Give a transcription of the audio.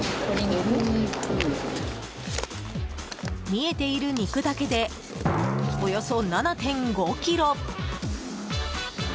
見えている肉だけでおよそ７．５ｋｇ。